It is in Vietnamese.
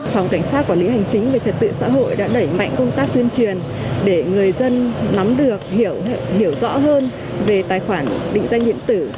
phòng cảnh sát quản lý hành chính về trật tự xã hội đã đẩy mạnh công tác tuyên truyền để người dân nắm được hiểu rõ hơn về tài khoản định danh điện tử